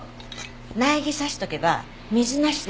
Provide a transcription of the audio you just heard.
苗木挿しとけば水なしでも育つの。